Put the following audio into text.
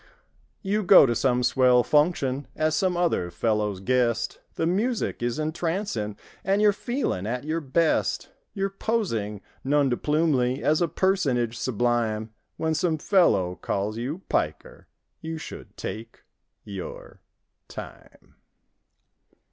You go to some swell function As some other fellow's guest; The music is entrancing And you're feeling at your best; You're posing non de plumely As a personage sublime. When some fellow calls you "piker"— You should—take—^your—time.